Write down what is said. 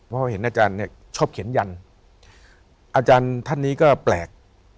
เพราะเห็นอาจารย์เนี่ยชอบเขียนยันอาจารย์ท่านนี้ก็แปลก